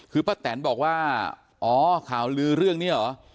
คือป้าแตนบอกว่าอ๋อข่าวลือเรื่องนี้เหรอ